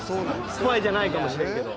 スパイじゃないかもしれんけど。